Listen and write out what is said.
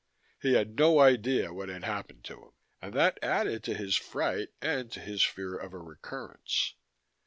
He had no idea what had happened to him: and that added to his fright and to his fear of a recurrence.